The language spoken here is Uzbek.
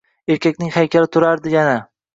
Erkakning haykali turardi yana